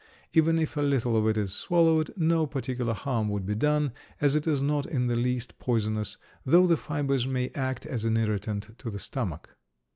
Even if a little of it is swallowed no particular harm would be done, as it is not in the least poisonous, though the fibers may act as an irritant to the stomach.